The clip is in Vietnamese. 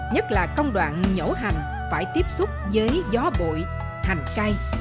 nhất là công đoạn nhổ hành phải tiếp xúc với gió bội hành cây